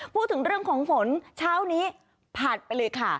พูดถึงเรื่องของฝนเช้านี้ผ่านไปเลยค่ะ